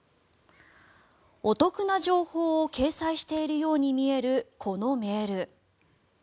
お得な情報を掲載しているように見えるこのメール。